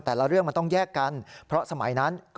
เรื่องมันต้องแยกกันเพราะสมัยนั้น